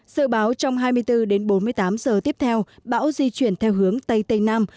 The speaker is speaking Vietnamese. sự báo trong hai mươi bốn đến bốn mươi tám giờ tiếp theo bão di chuyển theo hướng tây tây nam